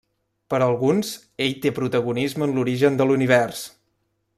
Per alguns, ell té protagonisme en l'origen de l'univers.